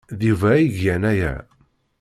D Yuba ay igan aya.